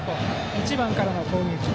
１番からの攻撃。